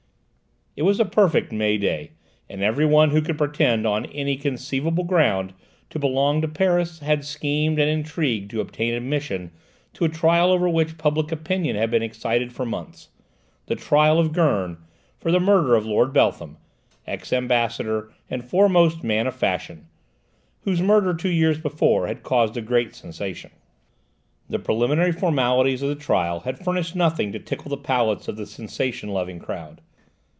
It was a perfect May day, and everyone who could pretend, on any conceivable ground, to belong to "Paris" had schemed and intrigued to obtain admission to a trial over which public opinion had been excited for months: the trial of Gurn for the murder of Lord Beltham, ex Ambassador and foremost man of fashion, whose murder, two years before, had caused a great sensation. The preliminary formalities of the trial had furnished nothing to tickle the palates of the sensation loving crowd.